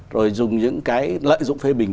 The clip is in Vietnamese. rồi dùng những cái lợi dụng phê bình